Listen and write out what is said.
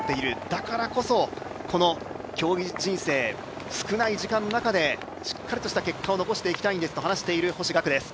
だからこそこの競技人生少ない時間の中でしっかりとした結果を残したいんですと話している星岳です。